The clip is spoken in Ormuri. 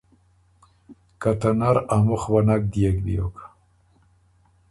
که ته نر ا مُخ وه نک ديېک بیوک